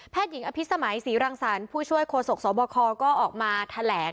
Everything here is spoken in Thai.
หญิงอภิษมัยศรีรังสรรค์ผู้ช่วยโฆษกสบคก็ออกมาแถลง